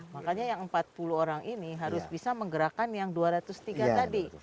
makanya yang empat puluh orang ini harus bisa menggerakkan yang dua ratus tiga tadi